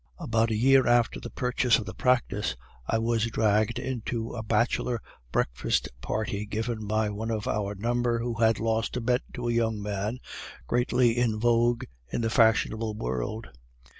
"About a year after the purchase of the practice, I was dragged into a bachelor breakfast party given by one of our number who had lost a bet to a young man greatly in vogue in the fashionable world.